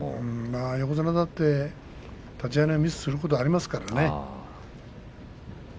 横綱だって立ち合いのミスをすることはありますからね。